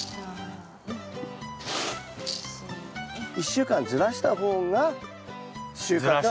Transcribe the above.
１週間ずらした方が収穫が。